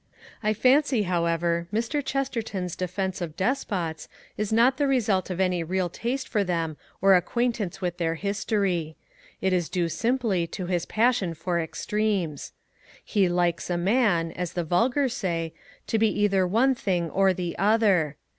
I fancy, however, Mr. Chesterton's defence of despots is not the result of any real taste for them or acquaintance with their history: it is due simply to his passion for extremes. He likes a man, as the vulgar say, to be either one thing or the other.